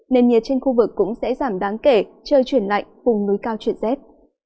nền nhiệt trên khu vực cũng sẽ giảm đáng kể trời chuyển lạnh vùng núi cao chuyển rét